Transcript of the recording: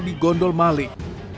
di gondol malik